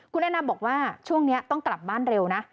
คุณแนะนำบอกว่าช่วงนี้ต้องกลับบ้านเร็วนะ